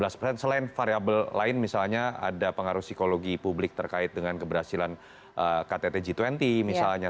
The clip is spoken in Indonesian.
selain variable lain misalnya ada pengaruh psikologi publik terkait dengan keberhasilan ktt g dua puluh misalnya